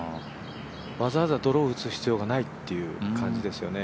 わざわざドロー打つ必要がないって感じですね。